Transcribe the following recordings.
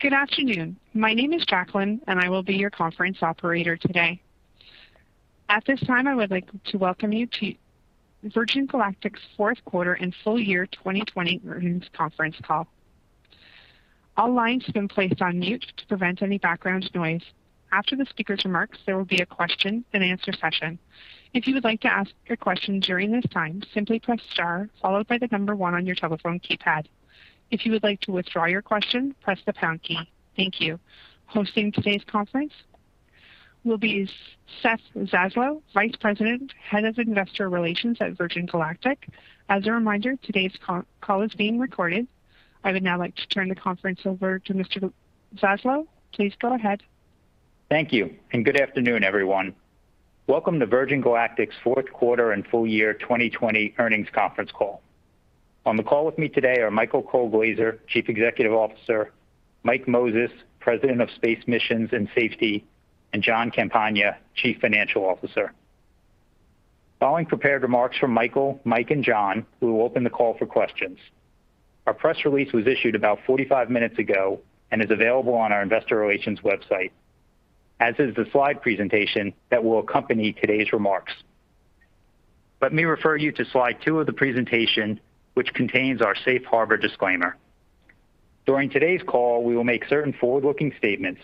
Good afternoon. My name is Jacqueline, and I will be your conference operator today. At this time, I would like to welcome you to Virgin Galactic's fourth quarter and full-year 2020 earnings conference call. All lines have been placed on mute to prevent any background noise. After the speaker's remarks, there will be a question-and-answer session. If you would like to ask your question during this time, simply press star followed by the number one on your telephone keypad. If you would like to withdraw your question, press the pound key. Thank you. Hosting today's conference will be Seth Zaslow, Vice President, Head of Investor Relations at Virgin Galactic. As a reminder, today's call is being recorded. I would now like to turn the conference over to Mr. Zaslow. Please go ahead. Thank you, good afternoon, everyone. Welcome to Virgin Galactic's fourth quarter and full-year 2020 earnings conference call. On the call with me today are Michael Colglazier, Chief Executive Officer, Mike Moses, President of Space Missions and Safety, and Jon Campagna, Chief Financial Officer. Following prepared remarks from Michael, Mike, and Jon, we will open the call for questions. Our press release was issued about 45-minutes ago and is available on our investor relations website, as is the slide presentation that will accompany today's remarks. Let me refer you to slide two of the presentation, which contains our Safe Harbor disclaimer. During today's call, we will make certain forward-looking statements.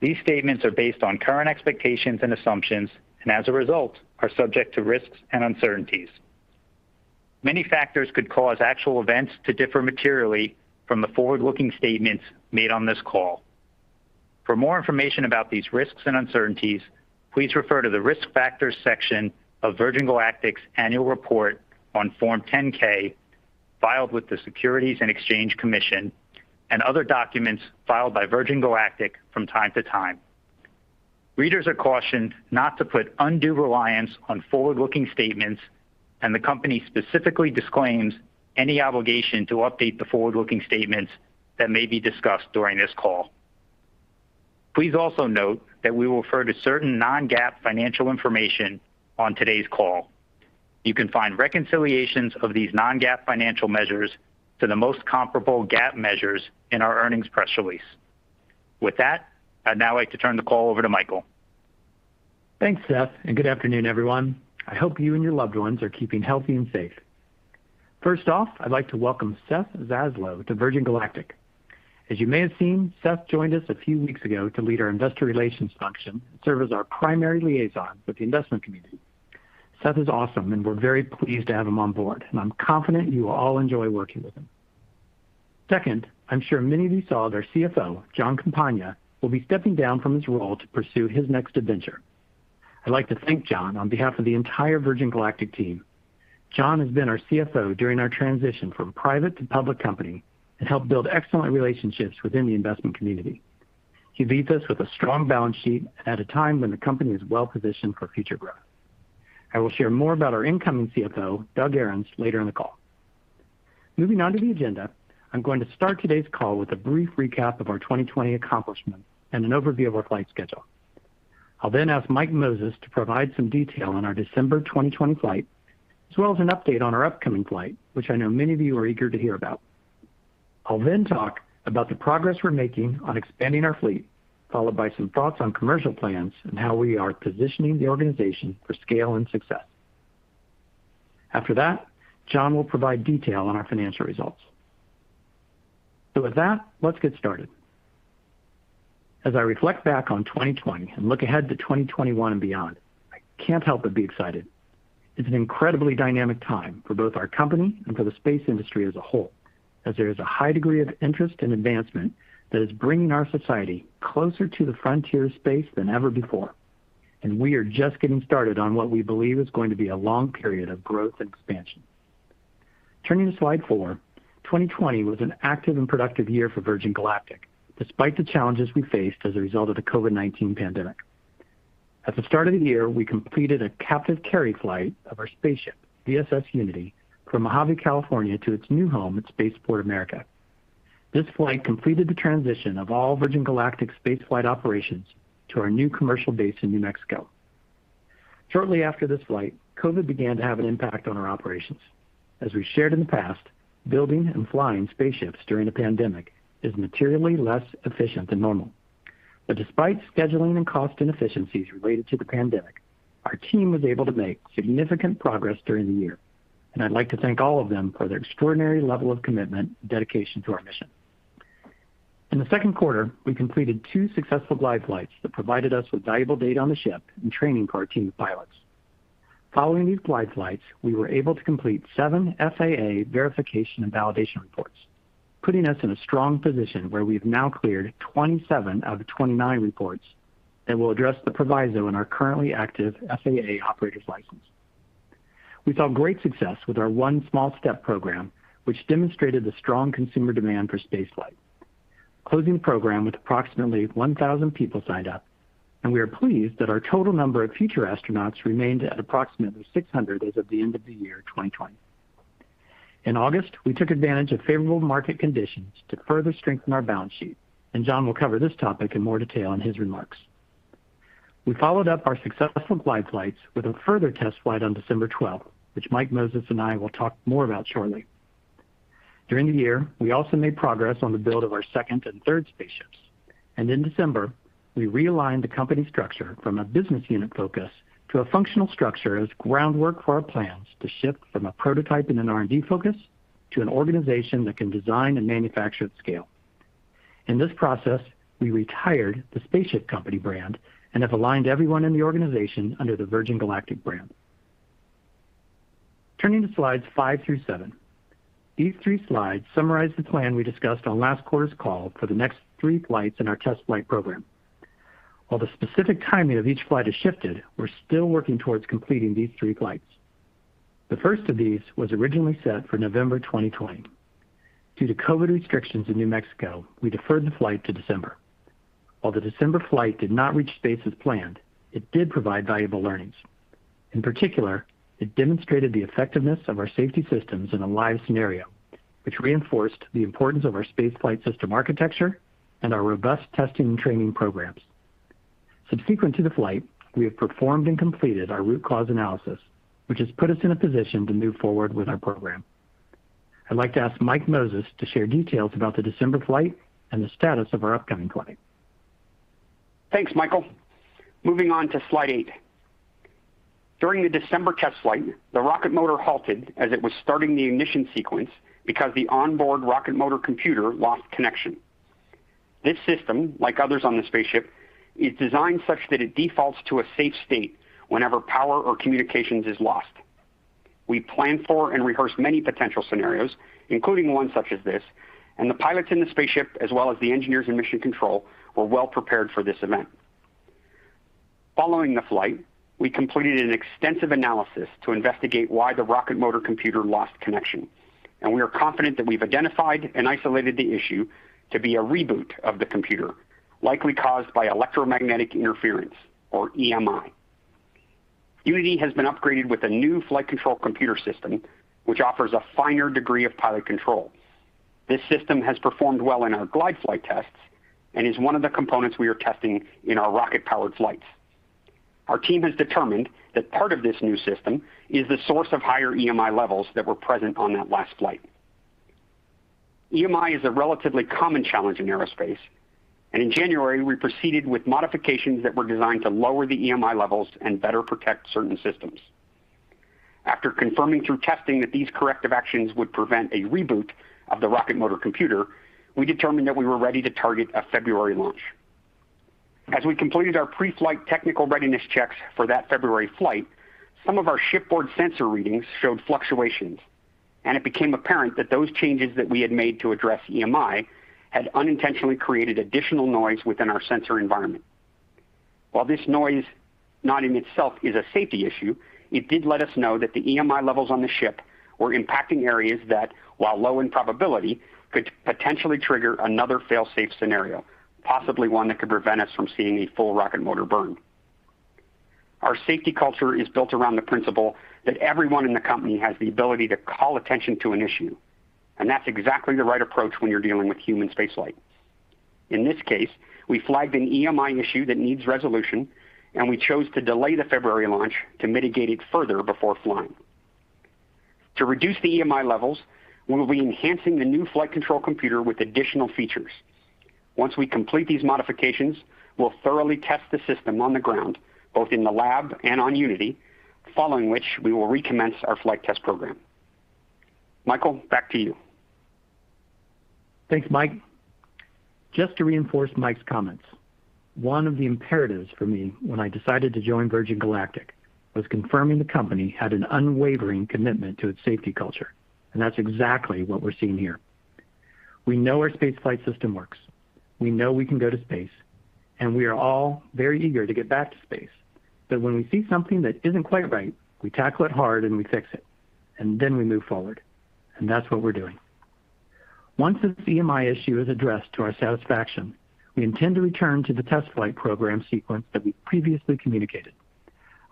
These statements are based on current expectations and assumptions, and as a result, are subject to risks and uncertainties. Many factors could cause actual events to differ materially from the forward-looking statements made on this call. For more information about these risks and uncertainties, please refer to the Risk Factors section of Virgin Galactic's annual report on Form 10-K, filed with the Securities and Exchange Commission, and other documents filed by Virgin Galactic from time to time. Readers are cautioned not to put undue reliance on forward-looking statements, and the company specifically disclaims any obligation to update the forward-looking statements that may be discussed during this call. Please also note that we will refer to certain non-GAAP financial information on today's call. You can find reconciliations of these non-GAAP financial measures to the most comparable GAAP measures in our earnings press release. With that, I'd now like to turn the call over to Michael. Thanks, Seth. Good afternoon, everyone. I hope you and your loved ones are keeping healthy and safe. First off, I'd like to welcome Seth Zaslow to Virgin Galactic. As you may have seen, Seth joined us a few weeks ago to lead our investor relations function and serve as our primary liaison with the investment community. Seth is awesome. We're very pleased to have him on board. I'm confident you will all enjoy working with him. Second, I'm sure many of you saw that our CFO, Jon Campagna, will be stepping down from his role to pursue his next adventure. I'd like to thank Jon on behalf of the entire Virgin Galactic team. Jon has been our CFO during our transition from private to public company and helped build excellent relationships within the investment community. He leaves us with a strong balance sheet at a time when the company is well-positioned for future growth. I will share more about our incoming CFO, Doug Ahrens, later in the call. Moving on to the agenda, I'm going to start today's call with a brief recap of our 2020 accomplishments and an overview of our flight schedule. I'll then ask Mike Moses to provide some details on our December 2020 flight, as well as an update on our upcoming flight, which I know many of you are eager to hear about. I'll then talk about the progress we're making on expanding our fleet, followed by some thoughts on commercial plans and how we are positioning the organization for scale and success. After that, Jon will provide details on our financial results. With that, let's get started. As I reflect back on 2020 and look ahead to 2021 and beyond, I can't help but be excited. It's an incredibly dynamic time for both our company and for the space industry as a whole, as there is a high degree of interest and advancement that is bringing our society closer to the frontier of space than ever before, and we are just getting started on what we believe is going to be a long period of growth and expansion. Turning to slide four, 2020 was an active and productive year for Virgin Galactic, despite the challenges we faced as a result of the COVID-19 pandemic. At the start of the year, we completed a captive carry flight of our spaceship, VSS Unity, from Mojave, California, to its new home at Spaceport America. This flight completed the transition of all Virgin Galactic spaceflight operations to our new commercial base in New Mexico. Shortly after this flight, COVID began to have an impact on our operations. As we've shared in the past, building and flying spaceships during a pandemic is materially less efficient than normal. Despite scheduling and cost inefficiencies related to the pandemic, our team was able to make significant progress during the year, and I'd like to thank all of them for their extraordinary level of commitment and dedication to our mission. In the second quarter, we completed two successful glide flights that provided us with valuable data on the ship and training for our team of pilots. Following these glide flights, we were able to complete seven FAA verification and validation reports, putting us in a strong position where we've now cleared 27 out of 29 reports that will address the proviso in our currently active FAA operator's license. We saw great success with our One Small Step program, which demonstrated the strong consumer demand for spaceflight. Closing the program with approximately 1,000 people signed up, and we are pleased that our total number of future astronauts remained at approximately 600 as of the end of the year 2020. In August, we took advantage of favorable market conditions to further strengthen our balance sheet, and Jon will cover this topic in more detail in his remarks. We followed up our successful glide flights with a further test flight on December 12th, which Mike Moses and I will talk more about shortly. During the year, we also made progress on the build of our second and third spaceships. In December, we realigned the company structure from a business unit focus to a functional structure as groundwork for our plans to shift from a prototype and an R&D focus to an organization that can design and manufacture at scale. In this process, we retired the Spaceship Company brand and have aligned everyone in the organization under the Virgin Galactic brand. Turning to slides five through seven. These three slides summarize the plan we discussed on last quarter's call for the next three flights in our test flight program. While the specific timing of each flight has shifted, we're still working towards completing these three flights. The first of these was originally set for November 2020. Due to COVID restrictions in New Mexico, we deferred the flight to December. While the December flight did not reach space as planned, it did provide valuable learnings. In particular, it demonstrated the effectiveness of our safety systems in a live scenario, which reinforced the importance of our spaceflight system architecture and our robust testing and training programs. Subsequent to the flight, we have performed and completed our root cause analysis, which has put us in a position to move forward with our program. I'd like to ask Mike Moses to share details about the December flight and the status of our upcoming flight. Thanks, Michael. Moving on to slide eight. During the December test flight, the rocket motor halted as it was starting the ignition sequence because the onboard rocket motor computer lost connection. This system, like others on the spaceship, is designed such that it defaults to a safe state whenever power or communications is lost. We planned for and rehearsed many potential scenarios, including one such as this, and the pilots in the spaceship, as well as the engineers in mission control, were well prepared for this event. Following the flight, we completed an extensive analysis to investigate why the rocket motor computer lost connection, and we are confident that we've identified and isolated the issue to be a reboot of the computer, likely caused by electromagnetic interference, or EMI. Unity has been upgraded with a new flight control computer system, which offers a finer degree of pilot control. This system has performed well in our glide flight tests and is one of the components we are testing in our rocket-powered flights. Our team has determined that part of this new system is the source of higher EMI levels that were present on that last flight. EMI is a relatively common challenge in aerospace. In January, we proceeded with modifications that were designed to lower the EMI levels and better protect certain systems. After confirming through testing that these corrective actions would prevent a reboot of the rocket motor computer, we determined that we were ready to target a February launch. As we completed our pre-flight technical readiness checks for that February flight, some of our shipboard sensor readings showed fluctuations, and it became apparent that those changes that we had made to address EMI had unintentionally created additional noise within our sensor environment. While this noise, not in itself is a safety issue, it did let us know that the EMI levels on the ship were impacting areas that, while low in probability, could potentially trigger another fail-safe scenario, possibly one that could prevent us from seeing a full rocket motor burn. Our safety culture is built around the principle that everyone in the company has the ability to call attention to an issue, and that's exactly the right approach when you're dealing with human spaceflight. In this case, we flagged an EMI issue that needs resolution, and we chose to delay the February launch to mitigate it further before flying. To reduce the EMI levels, we will be enhancing the new flight control computer with additional features. Once we complete these modifications, we'll thoroughly test the system on the ground, both in the lab and on Unity, following which, we will recommence our flight test program. Michael, back to you. Thanks, Mike. Just to reinforce Mike's comments, one of the imperatives for me when I decided to join Virgin Galactic was confirming the company had an unwavering commitment to its safety culture, and that's exactly what we're seeing here. We know our space flight system works. We know we can go to space, and we are all very eager to get back to space. When we see something that isn't quite right, we tackle it hard, and we fix it, and then we move forward, and that's what we're doing. Once this EMI issue is addressed to our satisfaction, we intend to return to the test flight program sequence that we previously communicated.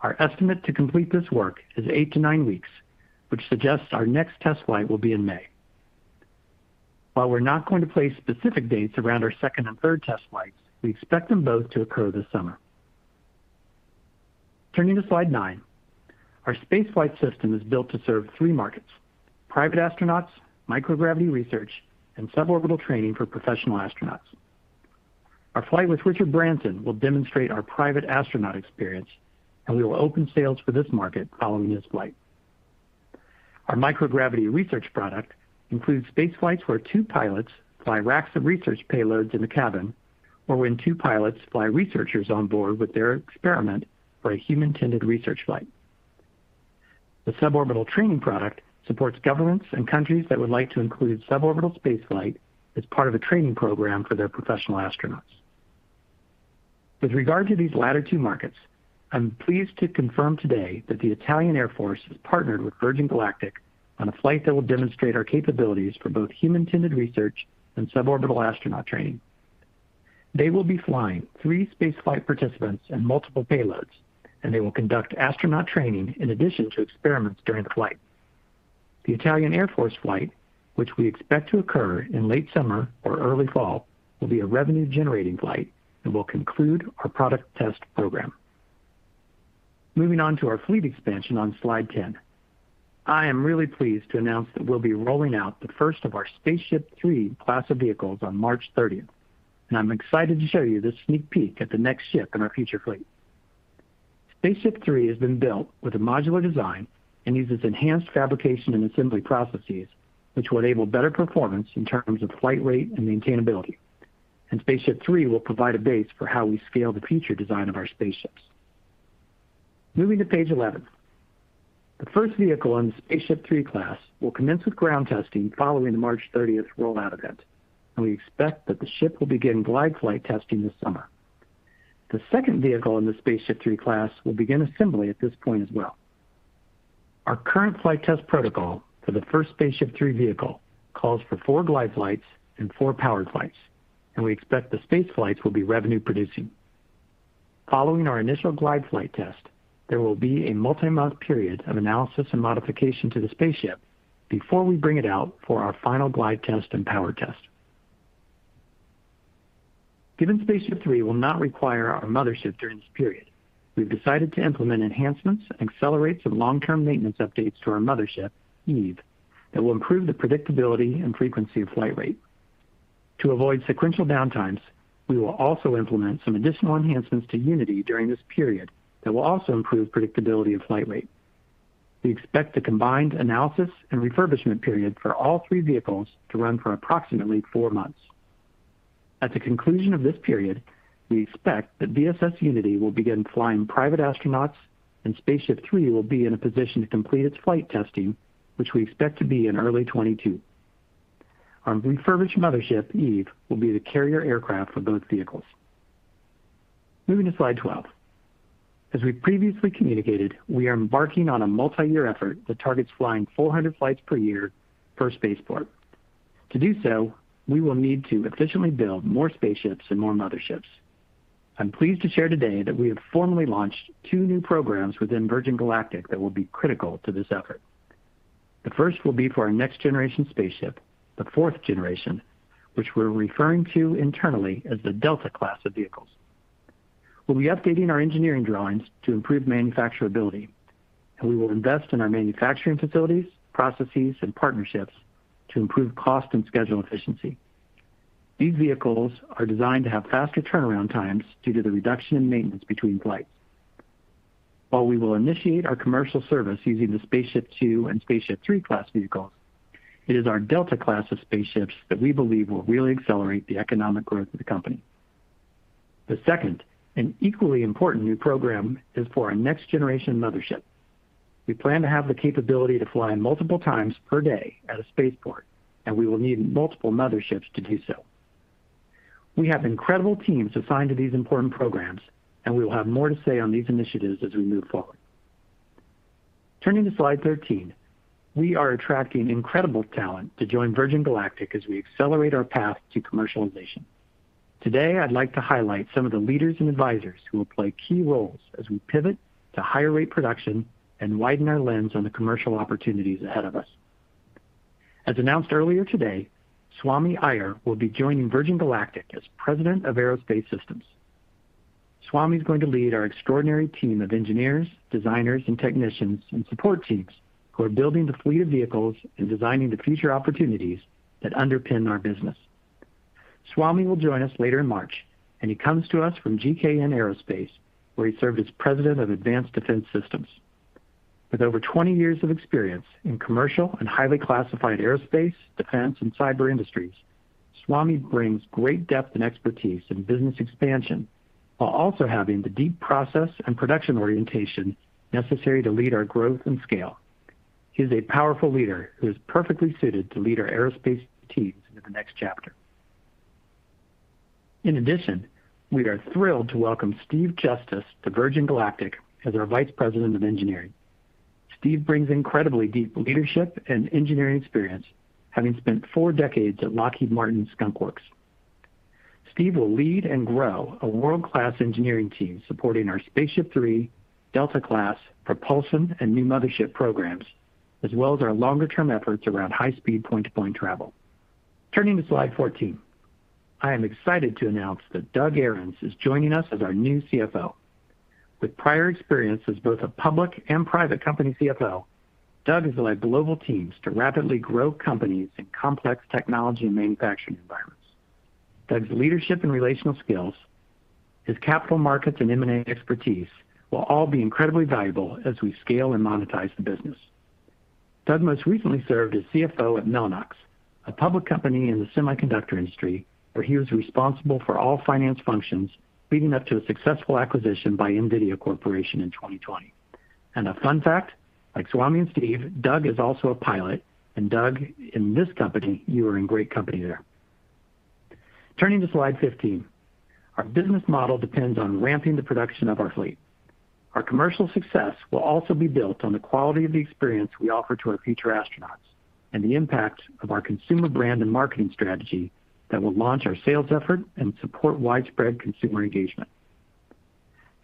Our estimate to complete this work is eight to nine weeks, which suggests our next test flight will be in May. While we're not going to place specific dates around our second and third test flights, we expect them both to occur this summer. Turning to slide nine. Our space flight system is built to serve three markets: private astronauts, microgravity research, and suborbital training for professional astronauts. Our flight with Richard Branson will demonstrate our private astronaut experience. We will open sales for this market following his flight. Our microgravity research product includes space flights where two pilots fly racks of research payloads in the cabin, or when two pilots fly researchers on board with their experiment for a human-tended research flight. The suborbital training product supports governments and countries that would like to include suborbital space flight as part of a training program for their professional astronauts. With regard to these latter two markets, I'm pleased to confirm today that the Italian Air Force has partnered with Virgin Galactic on a flight that will demonstrate our capabilities for both human-tended research and suborbital astronaut training. They will be flying three space flight participants and multiple payloads, and they will conduct astronaut training in addition to experiments during the flight. The Italian Air Force flight, which we expect to occur in late summer or early fall, will be a revenue-generating flight and will conclude our product test program. Moving on to our fleet expansion on slide 10. I am really pleased to announce that we'll be rolling out the first of our SpaceShip III class of vehicles on March 30th, and I'm excited to show you this sneak peek at the next ship in our future fleet. SpaceShip III has been built with a modular design and uses enhanced fabrication and assembly processes, which will enable better performance in terms of flight rate and maintainability. SpaceShip III will provide a base for how we scale the future design of our spaceships. Moving to page 11. The first vehicle in the SpaceShip III class will commence with ground testing following the March 30th rollout event, and we expect that the ship will begin glide flight testing this summer. The second vehicle in the SpaceShip III class will begin assembly at this point as well. Our current flight test protocol for the first SpaceShip III vehicle calls for four glide flights and four powered flights, and we expect the spaceflights will be revenue producing. Following our initial glide flight test, there will be a multi-month period of analysis and modification to the spaceship before we bring it out for our final glide test and power test. Given SpaceShip III will not require our mothership during this period, we've decided to implement enhancements and accelerate some long-term maintenance updates to our mothership, Eve, that will improve the predictability and frequency of flight rate. To avoid sequential downtimes, we will also implement some additional enhancements to Unity during this period that will also improve predictability of flight rate. We expect the combined analysis and refurbishment period for all three vehicles to run for approximately four months. At the conclusion of this period, we expect that VSS Unity will begin flying private astronauts and SpaceShip III will be in a position to complete its flight testing, which we expect to be in early 2022. Our refurbished mothership, Eve, will be the carrier aircraft for both vehicles. Moving to slide 12. As we previously communicated, we are embarking on a multi-year effort that targets flying 400 flights per year per spaceport. To do so, we will need to efficiently build more spaceships and more motherships. I'm pleased to share today that we have formally launched two new programs within Virgin Galactic that will be critical to this effort. The first will be for our next generation spaceship, the fourth generation, which we're referring to internally as the Delta Class of vehicles. We'll be updating our engineering drawings to improve manufacturability, and we will invest in our manufacturing facilities, processes, and partnerships to improve cost and schedule efficiency. These vehicles are designed to have faster turnaround times due to the reduction in maintenance between flights. While we will initiate our commercial service using the SpaceShip II and SpaceShip III class vehicles, it is our Delta Class of spaceships that we believe will really accelerate the economic growth of the company. The second and equally important new program is for our next generation mothership. We plan to have the capability to fly multiple times per day at a spaceport, and we will need multiple motherships to do so. We have incredible teams assigned to these important programs, and we will have more to say on these initiatives as we move forward. Turning to slide 13. We are attracting incredible talent to join Virgin Galactic as we accelerate our path to commercialization. Today, I'd like to highlight some of the leaders and advisors who will play key roles as we pivot to higher-rate production and widen our lens on the commercial opportunities ahead of us. As announced earlier today, Swami Iyer will be joining Virgin Galactic as President of Aerospace Systems. Swami's going to lead our extraordinary team of engineers, designers, and technicians, and support teams who are building the fleet of vehicles and designing the future opportunities that underpin our business. Swami will join us later in March, and he comes to us from GKN Aerospace, where he served as President of Advanced Defense Systems. With over 20 years of experience in commercial and highly classified aerospace, defense, and cyber industries, Swami brings great depth and expertise in business expansion, while also having the deep process and production orientation necessary to lead our growth and scale. He is a powerful leader who is perfectly suited to lead our aerospace teams into the next chapter. In addition, we are thrilled to welcome Steve Justice to Virgin Galactic as our Vice President of Engineering. Steve brings incredibly deep leadership and engineering experience, having spent four decades at Lockheed Martin Skunk Works. Steve will lead and grow a world-class engineering team supporting our SpaceShip III, Delta Class, propulsion, and new mothership programs, as well as our longer-term efforts around high-speed point-to-point travel. Turning to slide 14. I am excited to announce that Doug Ahrens is joining us as our new CFO. With prior experience as both a public and private company CFO, Doug has led global teams to rapidly grow companies in complex technology and manufacturing environments. Doug's leadership and relational skills, his capital markets and M&A expertise will all be incredibly valuable as we scale and monetize the business. Doug most recently served as CFO at Mellanox, a public company in the semiconductor industry, where he was responsible for all finance functions leading up to a successful acquisition by NVIDIA Corporation in 2020. A fun fact, like Swami and Steve, Doug is also a pilot, and Doug, in this company, you are in great company there. Turning to slide 15. Our business model depends on ramping the production of our fleet. Our commercial success will also be built on the quality of the experience we offer to our future astronauts and the impact of our consumer brand and marketing strategy that will launch our sales effort and support widespread consumer engagement.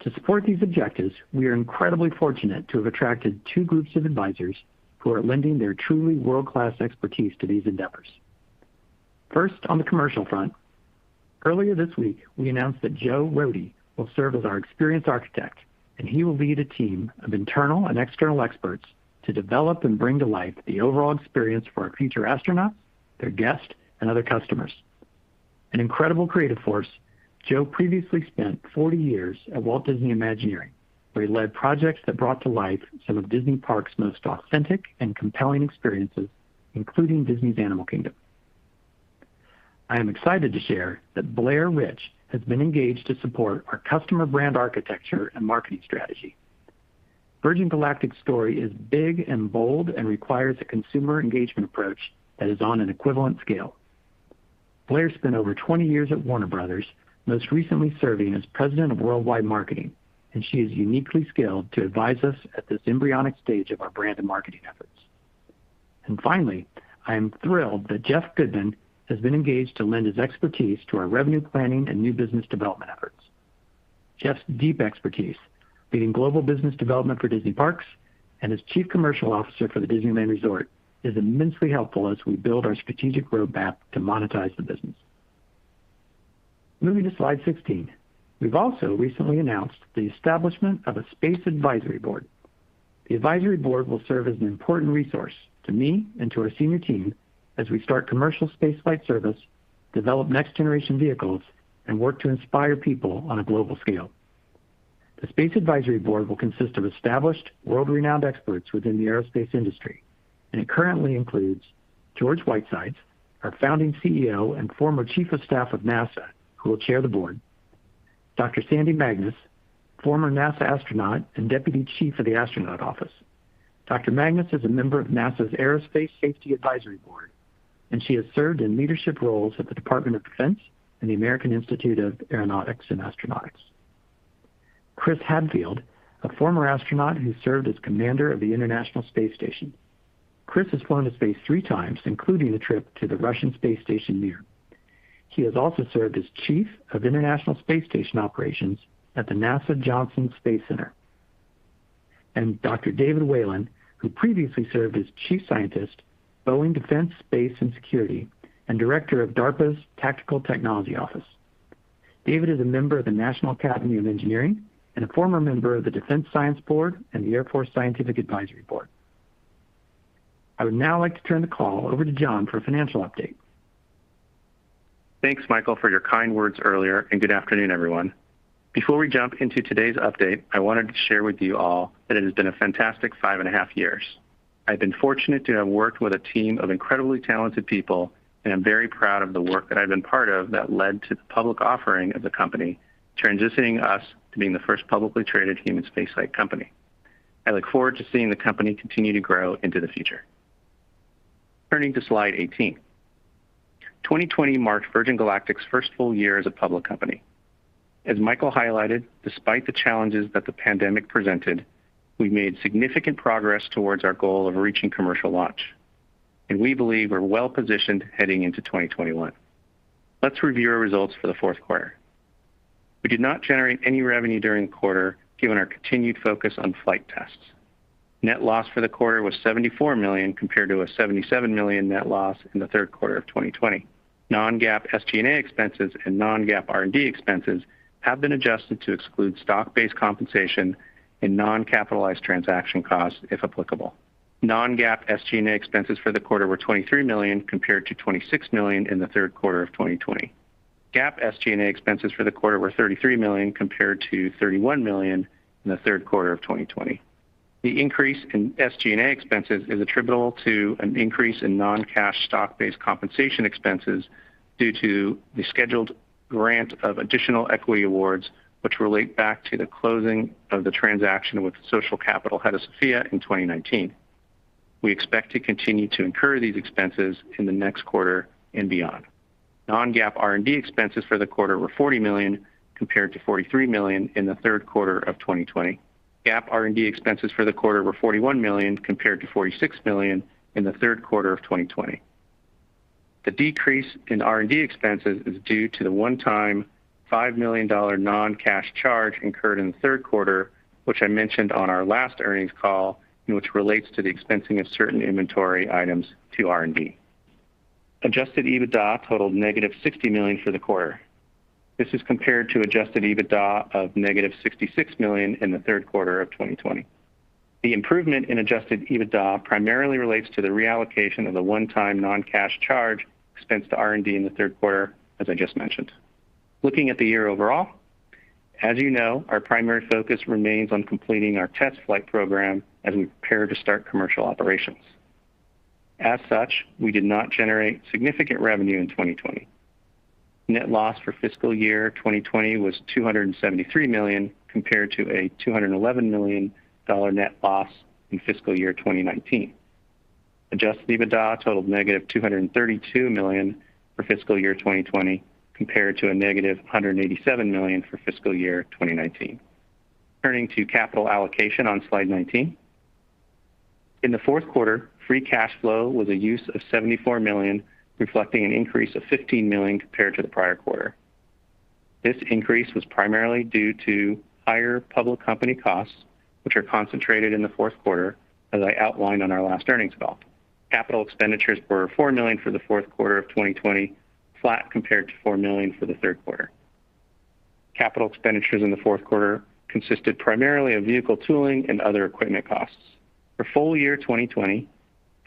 To support these objectives, we are incredibly fortunate to have attracted two groups of advisors who are lending their truly world-class expertise to these endeavors. First, on the commercial front, earlier this week, we announced that Joe Rohde will serve as our experience architect, and he will lead a team of internal and external experts to develop and bring to life the overall experience for our future astronauts, their guests, and other customers. An incredible creative force, Joe previously spent 40 years at Walt Disney Imagineering, where he led projects that brought to life some of Disney Parks' most authentic and compelling experiences, including Disney's Animal Kingdom. I am excited to share that Blair Rich has been engaged to support our customer brand architecture and marketing strategy. Virgin Galactic's story is big and bold and requires a consumer engagement approach that is on an equivalent scale. Blair spent over 20 years at Warner Bros., most recently serving as President of Worldwide Marketing. She is uniquely skilled to advise us at this embryonic stage of our brand and marketing efforts. Finally, I am thrilled that Geoff Goodman has been engaged to lend his expertise to our revenue planning and new business development efforts. Geoff's deep expertise in leading global business development for Disney Parks and as Chief Commercial Officer for the Disneyland Resort is immensely helpful as we build our strategic roadmap to monetize the business. Moving to slide 16. We've also recently announced the establishment of a Space Advisory Board. The Advisory Board will serve as an important resource to me and to our senior team as we start commercial space flight service, develop next generation vehicles, and work to inspire people on a global scale. The space advisory board will consist of established world-renowned experts within the aerospace industry, and it currently includes George Whitesides, our founding CEO and former Chief of Staff of NASA, who will chair the board. Dr. Sandy Magnus, a former NASA astronaut, and Deputy Chief of the Astronaut Office. Dr. Magnus is a member of NASA's Aerospace Safety Advisory Panel, and she has served in leadership roles at the Department of Defense and the American Institute of Aeronautics and Astronautics. Chris Hadfield, a former astronaut who served as Commander of the International Space Station. Chris has flown to space 3x, including a trip to the Russian space station Mir. He has also served as Chief of International Space Station Operations at the NASA Johnson Space Center. Dr. David Whelan, who previously served as Chief Scientist, Boeing Defense, Space & Security, and Director of DARPA's Tactical Technology Office. David is a member of the National Academy of Engineering and a former member of the Defense Science Board and the U.S. Air Force Scientific Advisory Board. I would now like to turn the call over to Jon for a financial update. Thanks, Michael, for your kind words earlier, and good afternoon, everyone. Before we jump into today's update, I wanted to share with you all that it has been a fantastic five and a half years. I've been fortunate to have worked with a team of incredibly talented people, and I'm very proud of the work that I've been part of that led to the public offering of the company, transitioning us to being the first publicly traded human spaceflight company. I look forward to seeing the company continue to grow into the future. Turning to slide 18. 2020 marked Virgin Galactic's first full-year as a public company. As Michael highlighted, despite the challenges that the pandemic presented, we made significant progress towards our goal of reaching commercial launch, and we believe we're well-positioned heading into 2021. Let's review our results for the fourth quarter. We did not generate any revenue during the quarter, given our continued focus on flight tests. Net loss for the quarter was $74 million compared to a $77 million net loss in the third quarter of 2020. Non-GAAP SG&A expenses and non-GAAP R&D expenses have been adjusted to exclude stock-based compensation and non-capitalized transaction costs, if applicable. Non-GAAP SG&A expenses for the quarter were $23 million compared to $26 million in the third quarter of 2020. GAAP SG&A expenses for the quarter were $33 million compared to $31 million in the third quarter of 2020. The increase in SG&A expenses is attributable to an increase in non-cash stock-based compensation expenses due to the scheduled grant of additional equity awards, which relate back to the closing of the transaction with Social Capital Hedosophia in 2019. We expect to continue to incur these expenses in the next quarter and beyond. Non-GAAP R&D expenses for the quarter were $40 million, compared to $43 million in the third quarter of 2020. GAAP R&D expenses for the quarter were $41 million compared to $46 million in the third quarter of 2020. The decrease in R&D expenses is due to the one-time $5 million non-cash charge incurred in the third quarter, which I mentioned on our last earnings call, and which relates to the expensing of certain inventory items to R&D. Adjusted EBITDA totaled negative $60 million for the quarter. This is compared to Adjusted EBITDA of negative $66 million in the third quarter of 2020. The improvement in Adjusted EBITDA primarily relates to the reallocation of the one-time non-cash charge expense to R&D in the third quarter, as I just mentioned. Looking at the year overall, as you know, our primary focus remains on completing our test flight program as we prepare to start commercial operations. As such, we did not generate significant revenue in 2020. Net loss for fiscal year 2020 was $273 million, compared to a $211 million net loss in fiscal year 2019. Adjusted EBITDA totaled negative $232 million for fiscal year 2020, compared to a negative $187 million for fiscal year 2019. Turning to capital allocation on slide 19. In the fourth quarter, free cash flow was a use of $74 million, reflecting an increase of $15 million compared to the prior quarter. This increase was primarily due to higher public company costs, which are concentrated in the fourth quarter, as I outlined on our last earnings call. Capital expenditures were $4 million for the fourth quarter of 2020, flat compared to $4 million for the third quarter. Capital expenditures in the fourth quarter consisted primarily of vehicle tooling and other equipment costs. For full-year 2020,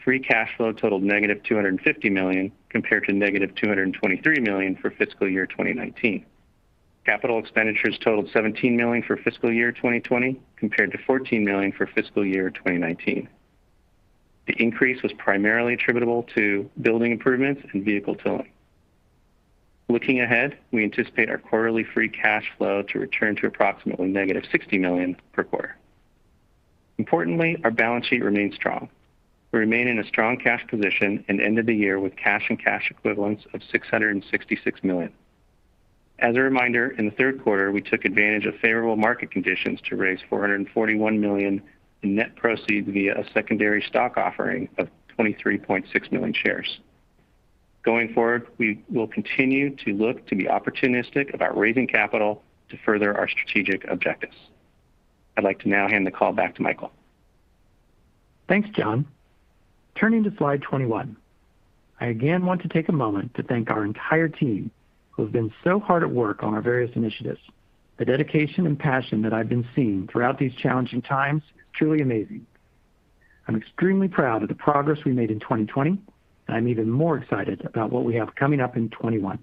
free cash flow totaled negative $250 million, compared to negative $223 million for fiscal year 2019. Capital expenditures totaled $17 million for fiscal year 2020, compared to $14 million for fiscal year 2019. The increase was primarily attributable to building improvements and vehicle tooling. Looking ahead, we anticipate our quarterly free cash flow to return to approximately negative $60 million per quarter. Importantly, our balance sheet remains strong. We remain in a strong cash position and ended the year with cash and cash equivalents of $666 million. As a reminder, in the third quarter, we took advantage of favorable market conditions to raise $441 million in net proceeds via a secondary stock offering of 23.6 million shares. Going forward, we will continue to look to be opportunistic about raising capital to further our strategic objectives. I'd like to now hand the call back to Michael. Thanks, Jon. Turning to slide 21. I again want to take a moment to thank our entire team who have been so hard at work on our various initiatives. The dedication and passion that I've been seeing throughout these challenging times is truly amazing. I'm extremely proud of the progress we made in 2020, and I'm even more excited about what we have coming up in 2021.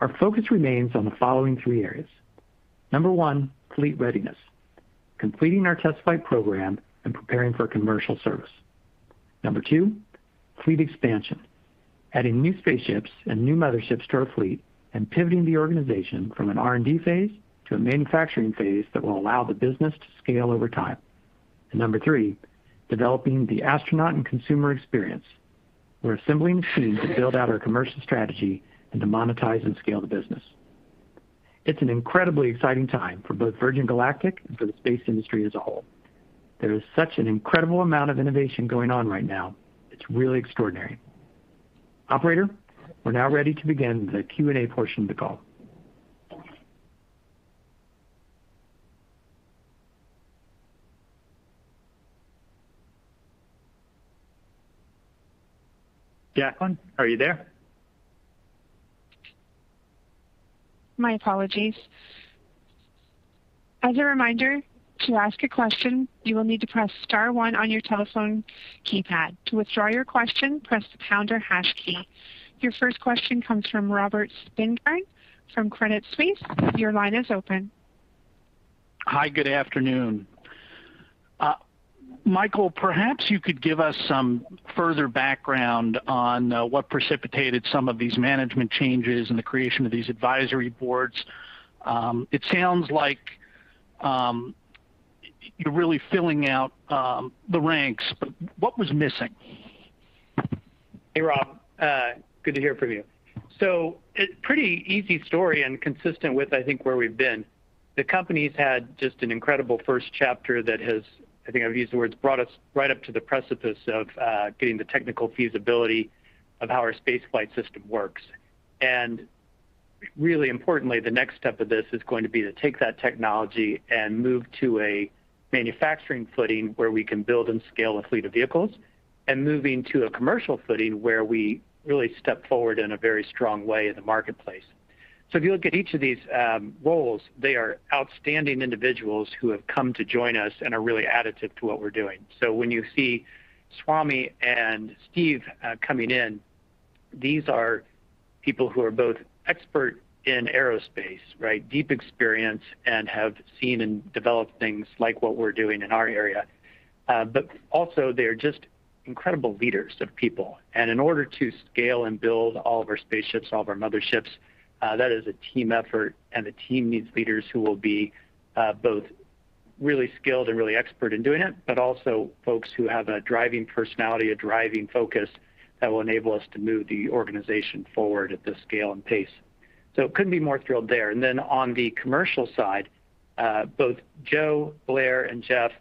Our focus remains on the following three areas. Number one, fleet readiness, completing our test flight program, and preparing for commercial service. Number two, fleet expansion, adding new spaceships and new motherships to our fleet, and pivoting the organization from an R&D phase to a manufacturing phase that will allow the business to scale over time. Number three, developing the astronaut and consumer experience. We're assembling the team to build out our commercial strategy and to monetize and scale the business. It's an incredibly exciting time for both Virgin Galactic and for the space industry as a whole. There is such an incredible amount of innovation going on right now. It's really extraordinary. Operator, we're now ready to begin the Q&A portion of the call. Jacqueline, are you there? My apologies. As a reminder, to ask a question, you will need to press star one on your telephone keypad. To withdraw your question, press the pound or hash key. Your first question comes from Robert Spingarn from Credit Suisse. Your line is open. Hi, good afternoon. Michael, perhaps you could give us some further background on what precipitated some of these management changes and the creation of these advisory boards. What was missing? Hey, Rob. Good to hear from you. It's pretty easy story and consistent with, I think, where we've been. The company's had just an incredible first chapter that has, I think I've used the words, brought us right up to the precipice of getting the technical feasibility of how our space flight system works. Really importantly, the next step of this is going to be to take that technology and move to a manufacturing footing where we can build and scale a fleet of vehicles, and moving to a commercial footing where we really step forward in a very strong way in the marketplace. If you look at each of these roles, they are outstanding individuals who have come to join us and are really additive to what we're doing. When you see Swami and Steve coming in, these are people who are both experts in aerospace, right? Deep experience and have seen and developed things like what we're doing in our area. Also, they're just incredible leaders of people. In order to scale and build all of our spaceships, all of our motherships, that is a team effort, and the team needs leaders who will be both really skilled and really expert in doing it, but also folks who have a driving personality, a driving focus that will enable us to move the organization forward at this scale and pace. Couldn't be more thrilled there. On the commercial side, both Joe, Blair, and Geoff,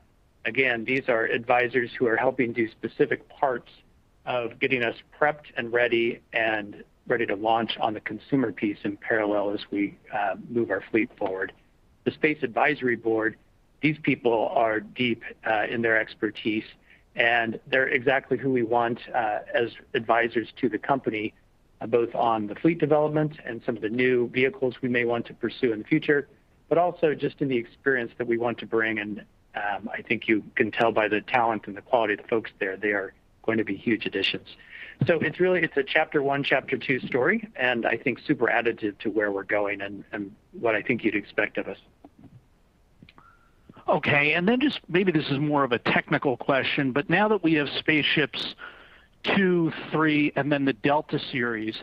again, these are advisors who are helping do specific parts of getting us prepped and ready, and ready to launch on the consumer piece in parallel as we move our fleet forward. The space advisory board, these people are deep in their expertise, and they're exactly who we want as advisors to the company, both on the fleet development and some of the new vehicles we may want to pursue in the future, but also just in the experience that we want to bring, and I think you can tell by the talent and the quality of the folks there, they are going to be huge additions. It's a chapter one, chapter two story, and I think super additive to where we're going and what I think you'd expect of us. Okay, just maybe this is more of a technical question, but now that we have SpaceShip II, SpaceShip III, and the Delta Class,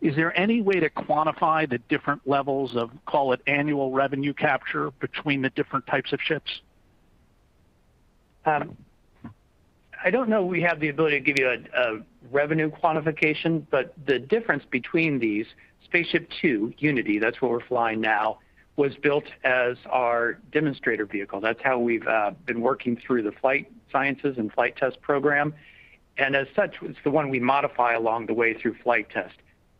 is there any way to quantify the different levels of call its annual revenue capture between the different types of ships? I don't know we have the ability to give you a revenue quantification. The difference between these, SpaceShip II, Unity, that's what we're flying now, was built as our demonstrator vehicle. That's how we've been working through the flight sciences and flight test program. As such, it's the one we modify along the way through flight test.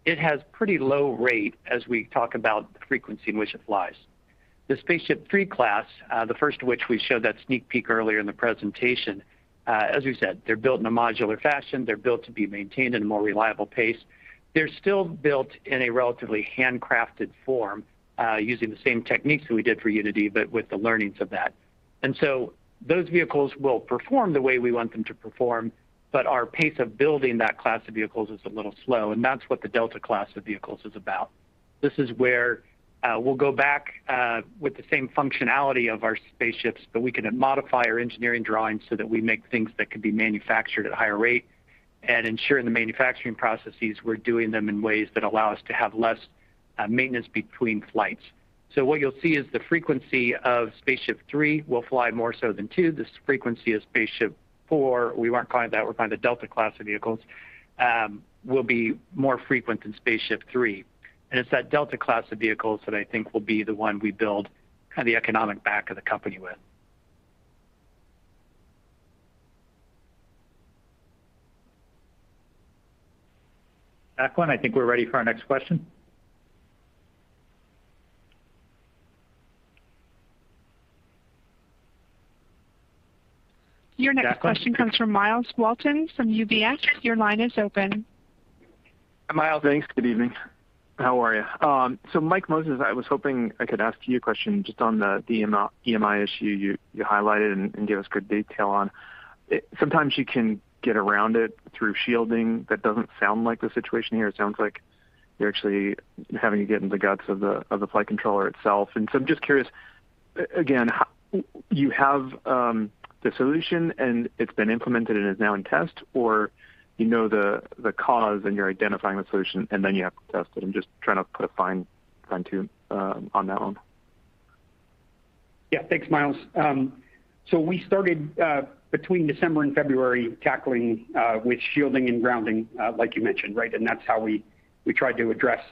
It has pretty low rate as we talk about the frequency in which it flies. The SpaceShip III class, the first of which we showed that sneak peek earlier in the presentation, as we said, they're built in a modular fashion. They're built to be maintained at a more reliable pace. They're still built in a relatively handcrafted form, using the same techniques that we did for Unity, but with the learnings of that. Those vehicles will perform the way we want them to perform, but our pace of building that class of vehicles is a little slow, and that's what the Delta Class of vehicles is about. This is where we'll go back with the same functionality of our spaceships, but we can then modify our engineering drawings so that we make things that can be manufactured at a higher rate and ensure in the manufacturing processes, we're doing them in ways that allow us to have less maintenance between flights. What you'll see is the frequency of SpaceShip III will fly more so than SpaceShip II. The frequency of SpaceShip IV, we weren't calling it that, we're calling it the Delta Class of vehicles, will be more frequent than SpaceShip III. It's that Delta Class of vehicles that I think will be the one we build kind of the economic back of the company with. Jacqueline, I think we're ready for our next question. Your next question comes from Myles Walton from UBS. Your line is open. Myles. Thanks. Good evening. How are you? Mike Moses, I was hoping I could ask you a question just on the EMI issue you highlighted and gave us good details on. Sometimes you can get around it through shielding. That doesn't sound like the situation here. It sounds like you're actually having to get into the guts of the flight controller itself. I'm just curious, again, you have the solution, and it's been implemented and is now in test? Or you know the cause, and you're identifying the solution, and then you have to test it? I'm just trying to put a fine tune on that one. Yeah. Thanks, Myles. We started between December and February, tackling with shielding and grounding, like you mentioned, right? That's how we tried to address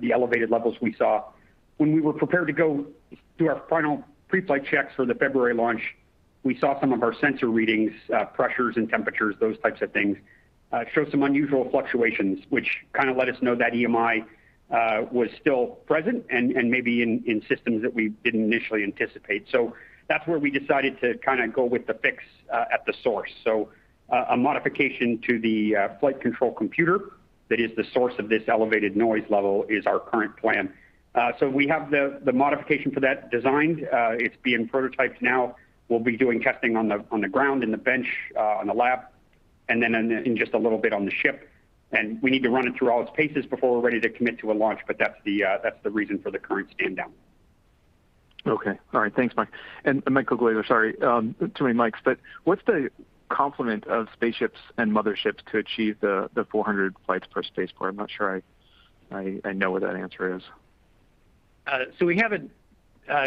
the elevated levels we saw. When we were prepared to go do our final pre-flight checks for the February launch, we saw some of our sensor readings, pressures, and temperatures, those types of things, show some unusual fluctuations, which kind of let us know that EMI was still present and maybe in systems that we didn't initially anticipate. That's where we decided to kind of go with the fix at the source. A modification to the flight control computer that is the source of this elevated noise level is our current plan. We have the modification for that designed. It's being prototyped now. We'll be doing testing on the ground and the bench, on the lab, and then in just a little bit on the ship. We need to run it through all its paces before we're ready to commit to a launch, but that's the reason for the current stand-down. Okay. All right. Thanks, Mike. Mike Colglazier, sorry. Too many Mikes. What's the complement of spaceships and motherships to achieve the 400 flights per spaceport? I'm not sure I know what that answer is. We haven't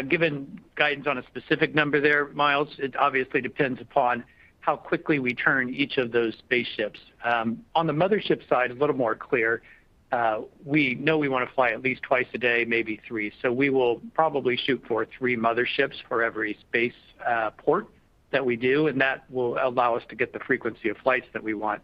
given guidance on a specific number there, Myles. It obviously depends upon how quickly we turn each of those spaceships. On the mothership side, a little more clear. We know we want to fly at least two a day, maybe three. We will probably shoot for three motherships for every spaceport that we do, and that will allow us to get the frequency of flights that we want.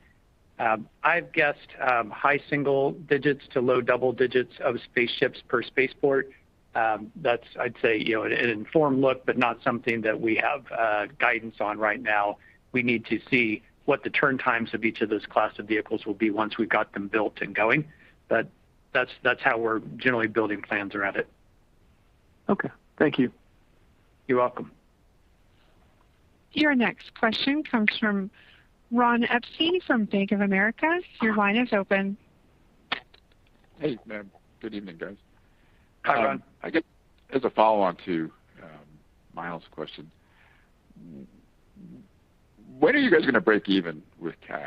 I've guessed high single digits to low double digits of spaceships per spaceport. That's, I'd say, an informed look, but not something that we have guidance on right now. We need to see what the turn times of each of those class of vehicles will be once we've got them built and going. That's how we're generally building plans around it. Okay. Thank you. You're welcome. Your next question comes from Ron Epstein from Bank of America. Your line is open. Hey. Good evening, guys. Hi, Ron. I guess as a follow-on to Myles' question, when are you guys going to break even with cash?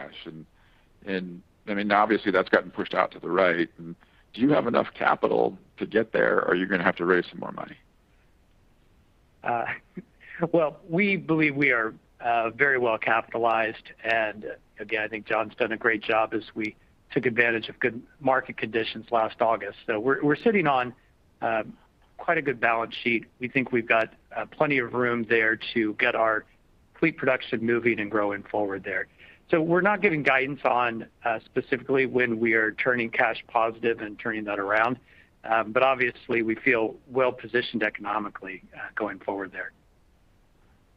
Obviously that's gotten pushed out to the right. Do you have enough capital to get there, or are you going to have to raise some more money? Well, we believe we are very well capitalized, and again, I think Jon's done a great job as we took advantage of good market conditions last August. We're sitting on quite a good balance sheet. We think we've got plenty of room there to get our fleet production moving and growing forward there. We're not giving guidance on specifically when we are turning cash positive and turning that around. Obviously we feel well-positioned economically going forward there.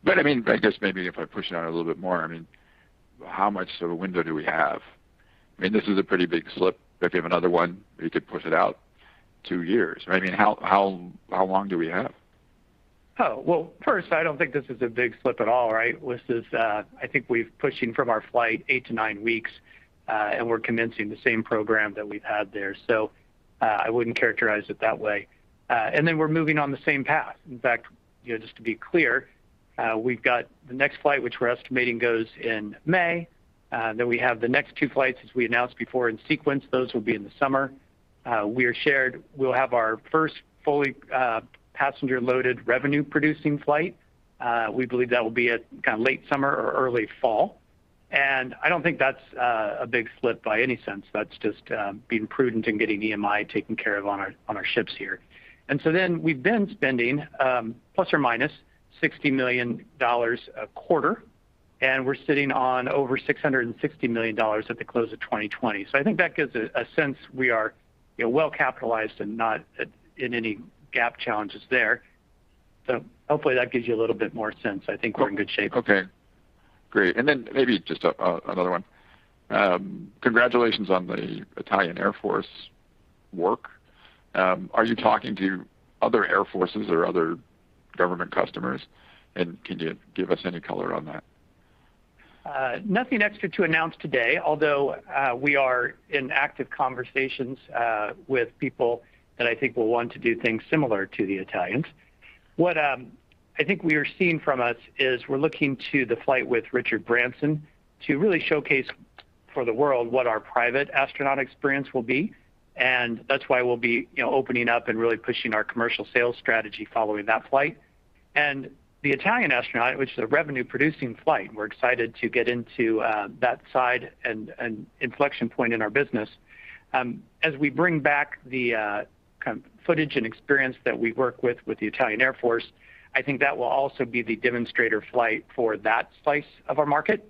But I mean, guess maybe if I push on it a little bit more, how much of a window do we have? This is a pretty big slip. If you have another one, you could push it out two years, right? How long do we have? Oh, well, first, I don't think this is a big slip at all, right? I think we're pushing from our flight eight to nine weeks. We're commencing the same program that we've had there. I wouldn't characterize it that way. We're moving on the same path. In fact, just to be clear, we've got the next flight, which we're estimating goes in May. We have the next two flights, as we announced before, in sequence. Those will be in the summer. We'll have our first fully passenger-loaded revenue-producing flight. We believe that will be at kind of late summer or early fall. I don't think that's a big slip by any sense. That's just being prudent and getting EMI taken care of on our ships here. We've been spending ±$60 million a quarter. We're sitting on over $660 million at the close of 2020. I think that gives a sense we are well-capitalized and not in any GAAP challenges there. Hopefully that gives you a little bit more sense. I think we're in good shape. Okay, great. Maybe just another one. Congratulations on the Italian Air Force work. Are you talking to other air forces or other government customers? Can you give us any color on that? Nothing extra to announce today, although we are in active conversations with people who I think will want to do things similar to the Italians. What I think we are seeing from us is we're looking to the flight with Richard Branson to really showcase for the world what our private astronaut experience will be, and that's why we'll be opening up and really pushing our commercial sales strategy following that flight. The Italian astronaut, which is a revenue-producing flight, and we're excited to get into that side and the inflection point in our business. As we bring back the kind of footage and experience that we work with the Italian Air Force, I think that will also be the demonstrator flight for that slice of our market.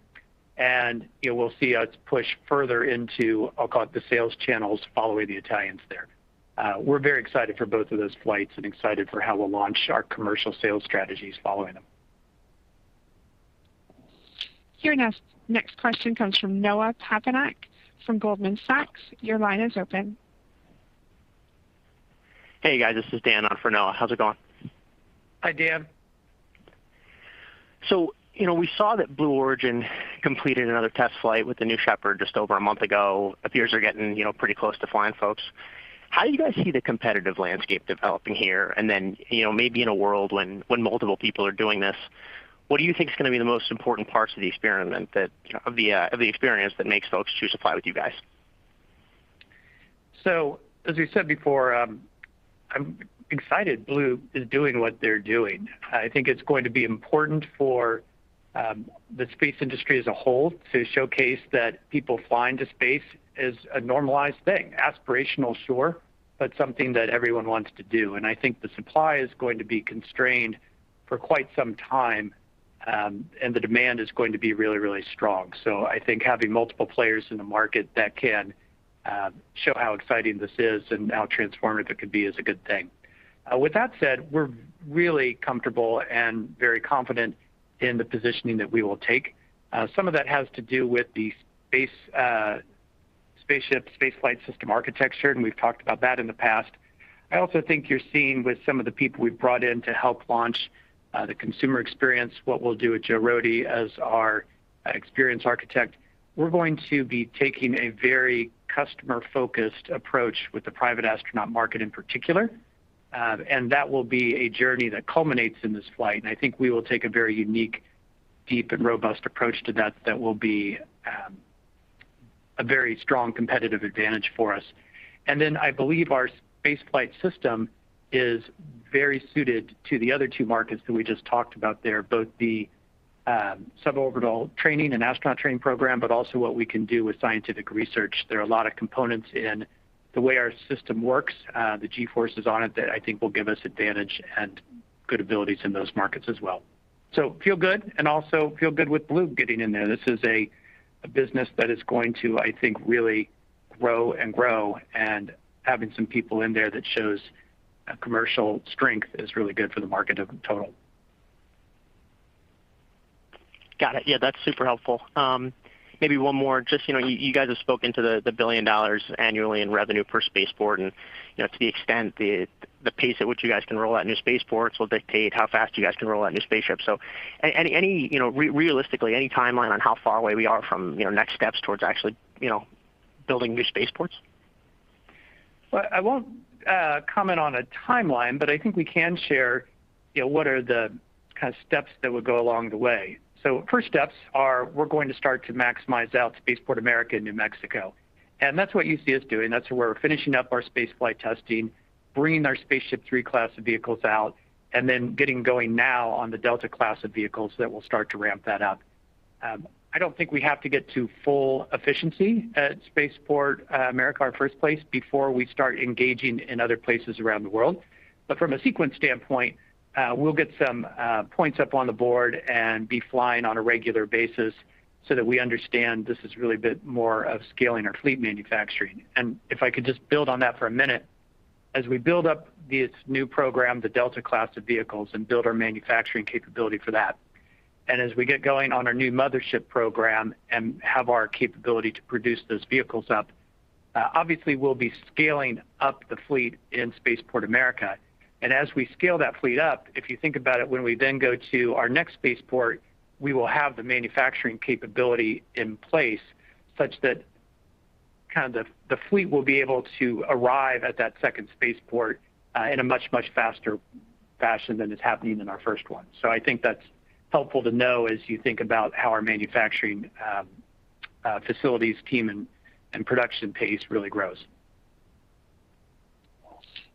You will see us push further into, I'll call it, the sales channels following the Italians there. We're very excited for both of those flights and excited for how we'll launch our commercial sales strategies following them. Your next question comes from Noah Poponak from Goldman Sachs. Your line is open. Hey, guys. This is Dan on for Noah. How's it going? Hi, Dan. We saw that Blue Origin completed another test flight with the New Shepard just over a month ago. It appears they're getting pretty close to flying folks. How do you guys see the competitive landscape developing here? Maybe in a world when multiple people are doing this, what do you think is going to be the most important parts of the experience that makes folks choose to fly with you guys? As we said before, I'm excited Blue is doing what they're doing. I think it's going to be important for the space industry as a whole to showcase that people flying to space is a normalized thing. Aspirational, sure. Something that everyone wants to do, and I think the supply is going to be constrained for quite some time, and the demand is going to be really, really strong. I think having multiple players in the market that can show how exciting this is and how transformative it could be is a good thing. That said, we're really comfortable and very confident in the positioning that we will take. Some of that has to do with the spaceship, spaceflight system architecture, and we've talked about that in the past. I also think you're seeing with some of the people we've brought in to help launch the consumer experience, what we'll do with Joe Rohde as our experience architect. We're going to be taking a very customer-focused approach with the private astronaut market in particular, and that will be a journey that culminates in this flight, and I think we will take a very unique, deep, and robust approach to that will be a very strong competitive advantage for us. I believe our spaceflight system is very suited to the other two markets that we just talked about there, both the suborbital training and astronaut training program, but also what we can do with scientific research. There are a lot of components in the way our system works, the G-forces on it, that I think will give us an advantage and good abilities in those markets as well. Feel good and also feel good with Blue getting in there. This is a business that is going to, I think, really grow and grow, and having some people in there that show commercial strength is really good for the market of total. Got it. Yeah, that's super helpful. Maybe one more. You guys have spoken to the $1 billion annually in revenue per spaceport and to the extent the pace at which you guys can roll out new spaceports will dictate how fast you guys can roll out new spaceships. Realistically any timeline on how far away we are from next steps towards actually building new spaceports? I won't comment on a timeline, I think we can share what are the kind of steps that would go along the way. First steps are we're going to start to maximize out Spaceport America in New Mexico, that's what you see us doing. That's where we're finishing up our spaceflight testing, bringing our SpaceShip III class of vehicles out, getting going now on the Delta Class of vehicles that will start to ramp that up. I don't think we have to get to full efficiency at Spaceport America in the first place before we start engaging in other places around the world. From a sequence standpoint, we'll get some points up on the board and be flying on a regular basis so that we understand this is really a bit more of scaling our fleet manufacturing. If I could just build on that for a minute. As we build up this new program, the Delta Class of vehicles, and build our manufacturing capability for that, and as we get going on our new mothership program and have our capability to produce those vehicles up, obviously, we'll be scaling up the fleet in Spaceport America. As we scale that fleet up, if you think about it, when we then go to our next spaceport, we will have the manufacturing capability in place such that the fleet will be able to arrive at that second spaceport in a much, much faster fashion than is happening in our first one. I think that's helpful to know as you think about how our manufacturing facilities team and production pace really grow.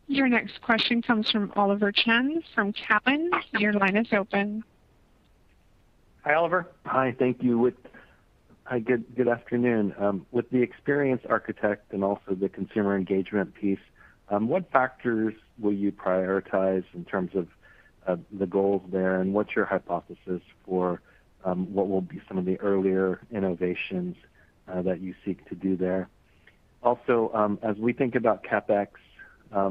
Your next question comes from Oliver Chen from Cowen. Your line is open. Hi, Oliver. Hi. Thank you. Hi, good afternoon. With the Experience Architect and also the consumer engagement piece, what factors will you prioritize in terms of the goals there, and what's your hypothesis for what will be some of the earlier innovations that you seek to do there? Also, as we think about CapEx, how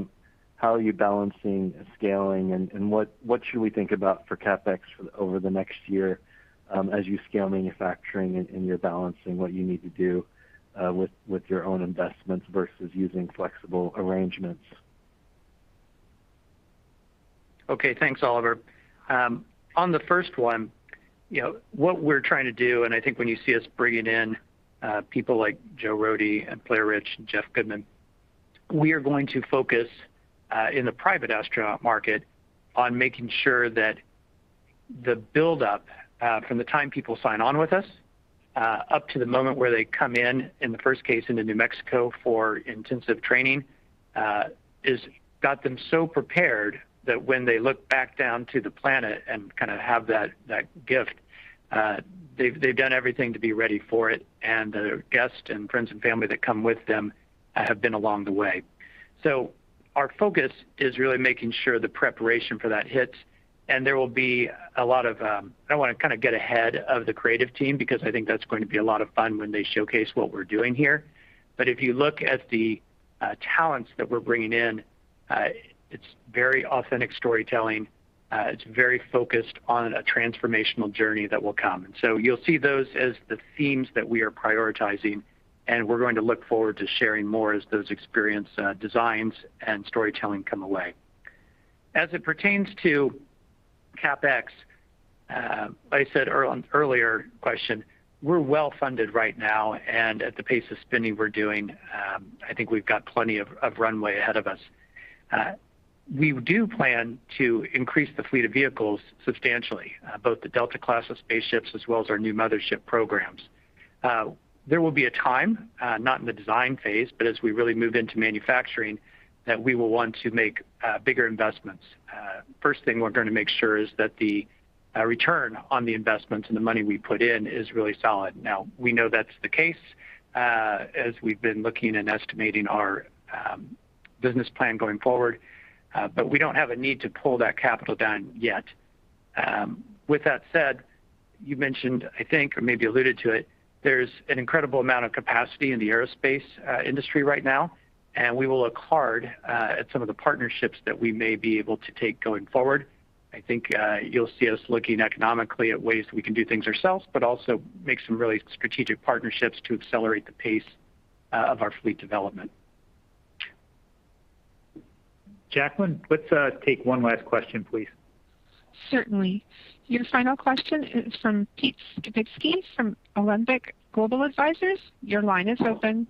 are you balancing scaling, and what should we think about for CapEx over the next year as you scale manufacturing and you're balancing what you need to do with your own investments versus using flexible arrangements? Okay. Thanks, Oliver. On the first one, what we're trying to do, and I think when you see us bringing in people like Joe Rohde and Blair Rich and Geoff Goodman, we are going to focus, in the private astronaut market, on making sure that the buildup from the time people sign on with us up to the moment where they come in the first case into New Mexico for intensive training, has got them so prepared that when they look back down to the planet and have that gift, they've done everything to be ready for it. The guests, friends, and family that come with them have been along the way. Our focus is really making sure the preparation for those hits. And there will be a lot of a, to get ahead of the creative team, because I think that's going to be a lot of fun when they showcase what we're doing here. If you look at the talents that we're bringing in, it's very authentic storytelling. It's very focused on a transformational journey that will come. You'll see those as the themes that we are prioritizing, and we're going to look forward to sharing more as those experience designs and storytelling come away. As it pertains to CapEx, I said on earlier question, we're well-funded right now, and at the pace of spending we're doing, I think we've got plenty of runway ahead of us. We do plan to increase the fleet of vehicles substantially, both the Delta Class of spaceships as well as our new mothership programs. There will be a time, not in the design phase, but as we really move into manufacturing, that we will want to make bigger investments. First thing we're going to make sure is that the return on the investment and the money we put in is really solid. We know that's the case, as we've been looking and estimating our business plan going forward, but we don't have a need to pull that capital down yet. With that said, you mentioned, I think, or maybe alluded to it, there's an incredible amount of capacity in the aerospace industry right now, and we will look hard at some of the partnerships that we may be able to take going forward. I think you'll see us looking economically at ways that we can do things ourselves but also make some really strategic partnerships to accelerate the pace of our fleet development. Jacqueline, let's take one last question, please. Certainly. Your final question is from Pete Skibitski from Alembic Global Advisors. Your line is open.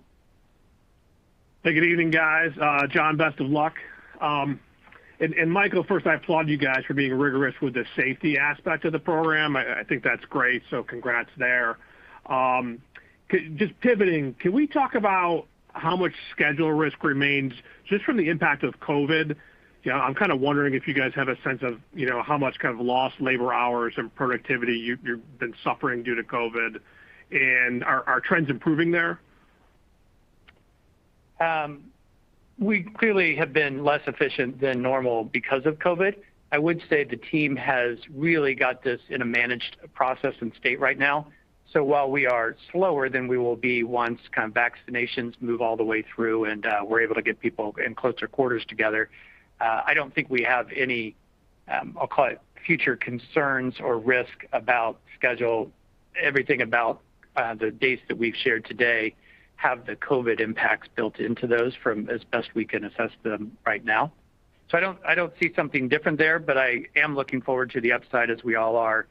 Hey, good evening, guys. Jon, best of luck. Michael, first, I applaud you guys for being rigorous with the safety aspect of the program. I think that's great, congrats there. Just pivoting, can we talk about how much schedule risk remains just from the impact of COVID? I'm kind of wondering if you guys have a sense of how much lost labor hours and productivity you've been suffering due to COVID, and are trends improving there? We clearly have been less efficient than normal because of COVID. I would say the team has really got this in a managed process and state right now. While we are slower than we will be once vaccinations move all the way through and we're able to get people in closer quarters together, I don't think we have any, I'll call it future concerns or risk about schedule. Everything about the dates that we've shared today have the COVID impacts built into those, as best we can assess them right now. I don't see something different there, but I am looking forward to the upside as we all are,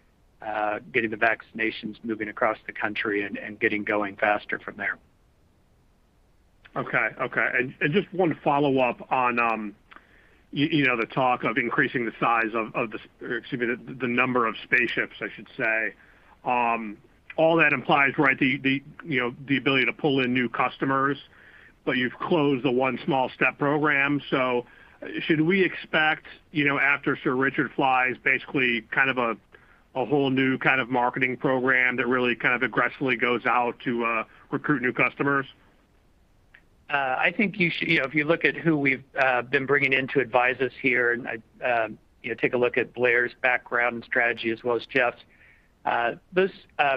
getting the vaccinations moving across the country and getting going faster from there. Just one follow-up on the talk of increasing the number of spaceships, I should say. All that implies, the ability to pull in new customers, but you've closed the One Small Step program. Should we expect, after Sir Richard flies, basically a whole new kind of marketing program that really aggressively goes out to recruit new customers? If you look at who we've been bringing in to advise us here, and take a look at Blair's background and strategy as well as Geoff's. Those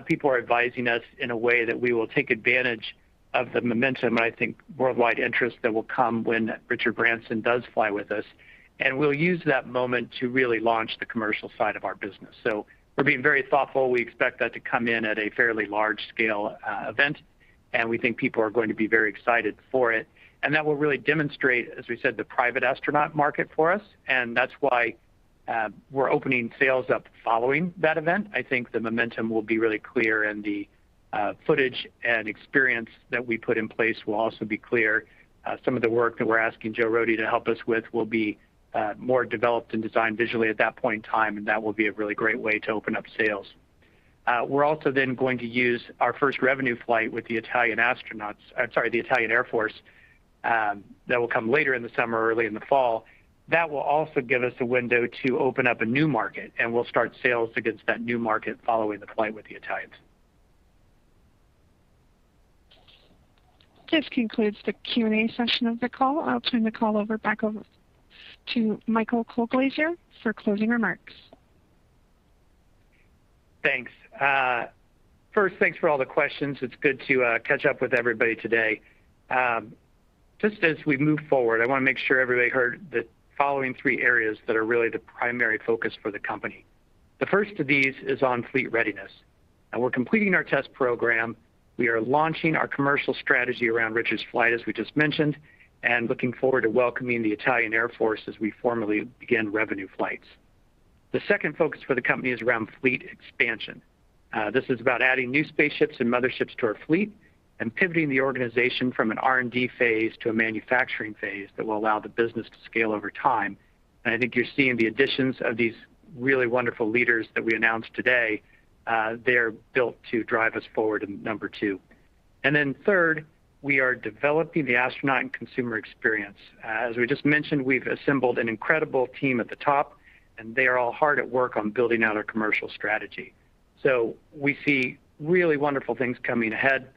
people are advising us in a way that we will take advantage of the momentum, and I think worldwide interest that will come when Richard Branson does fly with us, and we'll use that moment to really launch the commercial side of our business. We're being very thoughtful. We expect that to come in at a fairly large-scale event, and we think people are going to be very excited for it. That will really demonstrate, as we said, the private astronaut market for us, and that's why we're opening sales up following that event. I think the momentum will be really clear, and the footage and experience that we put in place will also be clear. Some of the work that we're asking Joe Rohde to help us with will be more developed and designed visually at that point in time, and that will be a really great way to open up sales. We're also then going to use our first revenue flight with the Italian astronauts, sorry, the Italian Air Force, that will come later in the summer or early in the fall. That will also give us a window to open up a new market, and we'll start sales against that new market following the flight with the Italians. This concludes the Q&A session of the call. I'll turn the call over back over to Michael Colglazier for closing remarks. Thanks. First, thanks for all the questions. It's good to catch up with everybody today. Just as we move forward, I want to make sure everybody heard the following three areas that are really the primary focus for the company. The first of these is on fleet readiness. We're completing our test program. We are launching our commercial strategy around Richard's flight, as we just mentioned, and looking forward to welcoming the Italian Air Force as we formally begin revenue flights. The second focus for the company is around fleet expansion. This is about adding new spaceships and motherships to our fleet and pivoting the organization from an R&D phase to a manufacturing phase that will allow the business to scale over time. I think you're seeing the additions of these really wonderful leaders that we announced today. They're built to drive us forward in number two. Third, we are developing the astronaut and consumer experience. As we just mentioned, we've assembled an incredible team at the top, and they are all hard at work on building out our commercial strategy. We see really wonderful things coming ahead.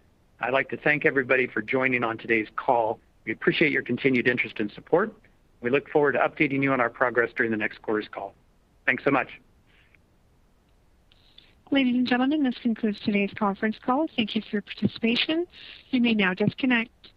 I'd like to thank everybody for joining on today's call. We appreciate your continued interest and support. We look forward to updating you on our progress during the next quarter's call. Thanks so much. Ladies and gentlemen, this concludes today's conference call. Thank you for your participation. You may now disconnect.